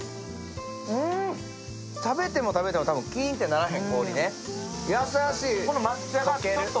食べても食べてもキーンってならへん氷ね。